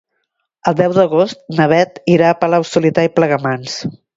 El deu d'agost na Beth irà a Palau-solità i Plegamans.